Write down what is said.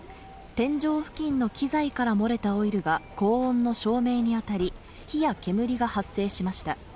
天井付近の機材から漏れたオイルが高温の照明に当たり、火や煙が発生しました。